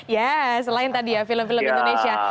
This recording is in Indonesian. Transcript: ya selain tadi ya film film indonesia